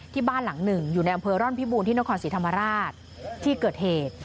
บ้านหลังหนึ่งอยู่ในอำเภอร่อนพิบูรณที่นครศรีธรรมราชที่เกิดเหตุ